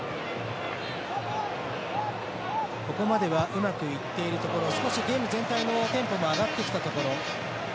ここまではうまくいっているところ少しゲーム全体のテンポも上がってきたところ。